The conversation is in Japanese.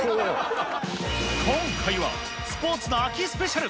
今回は、スポーツの秋スペシャル。